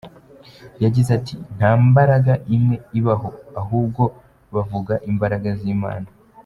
Yagize ati: “Nta mbaraga imwe ibaho’ ahubwo bavuga imbaraga z’Imana”.